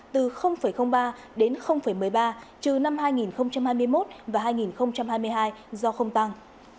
từ ba đến một mươi ba trừ năm hai nghìn hai mươi một và hai nghìn hai mươi hai do không tăng